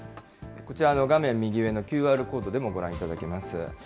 こちら、画面右上のＱＲコードでもご覧いただけます。